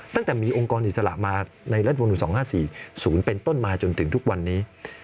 ตั้งแต่มีองค์กรอิสระมาในรัฐมนุน๒๕๔๐เป็นต้นมาจนถึงทุกวันนี้